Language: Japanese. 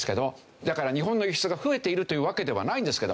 だから日本の輸出が増えているというわけではないんですけど。